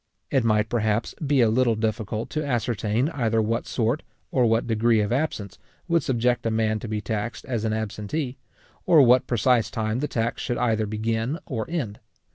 It might, perhaps, be a little difficult to ascertain either what sort, or what degree of absence, would subject a man to be taxed as an absentee, or at what precise time the tax should either begin or end.